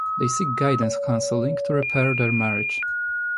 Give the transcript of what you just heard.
They seek guidance counselling to repair their marriage.